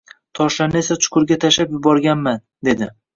Toshlarni esa chuqurga tashlab yuborganman, dedi